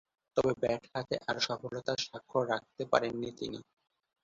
তবে, ব্যাট হাতে আর সফলতার স্বাক্ষর রাখতে পারেননি তিনি।